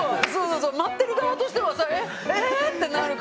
待ってる側としてはさええ⁉ってなるから。